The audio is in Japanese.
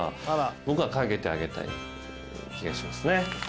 僕はかけてあげたい気がしますね。